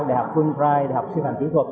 đại học quân rai đại học sư phạm kỹ thuật